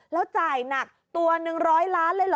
แล้วจ่ายหนักตัว๑๐๐ล้านเลยเหรอ